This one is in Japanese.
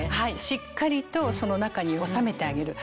しっかりとその中に収めてあげる。